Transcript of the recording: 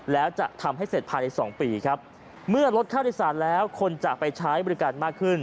แล้วจะทำให้เสร็จภายในสองปีครับเมื่อลดค่าโดยสารแล้วคนจะไปใช้บริการมากขึ้น